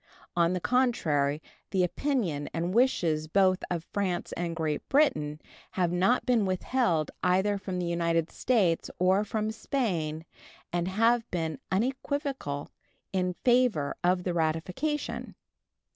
On the contrary, the opinion and wishes both of France and Great Britain have not been withheld either from the United States or from Spain, and have been unequivocal in favor of the ratification.